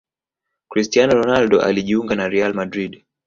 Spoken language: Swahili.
Cristiano Ronaldo alijuinga na Real Madrid